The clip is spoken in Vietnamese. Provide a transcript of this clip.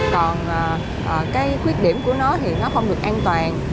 còn cái khuyết điểm của nó thì nó không được an toàn